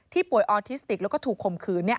ที่ป่วยออทิสติกแล้วก็ถูกข่มขืนเนี่ย